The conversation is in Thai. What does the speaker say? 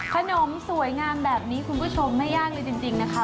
ขนมสวยงามแบบนี้คุณผู้ชมไม่ยากเลยจริงนะคะ